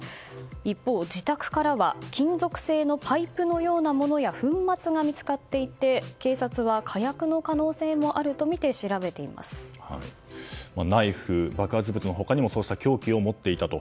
一方、自宅からは金属製のパイプのようなものや粉末が見つかっていて警察は火薬の可能性もあるとみてナイフ、爆発物の他にもそうした凶器を持っていたと。